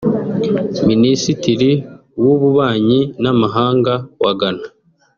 Minisitiri w’Ububanyi n’Amahanga wa Ghana